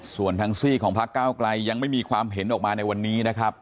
ส่วนทางซี่ของพักเก้าไกลยังไม่มีความเห็นออกมาในวันนี้นะครับ